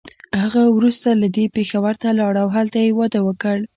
هغه وروسته له دې پېښور ته لاړه او هلته يې واده وکړ.